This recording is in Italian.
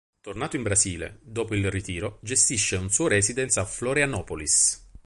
Tornato in Brasile, dopo il ritiro, gestisce un suo residence a Florianópolis.